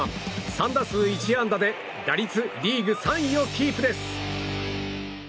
３打数１安打で打率リーグ３位をキープです。